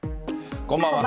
こんばんは。